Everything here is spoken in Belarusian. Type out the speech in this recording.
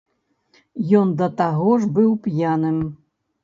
Ён да таго ж быў п'яным.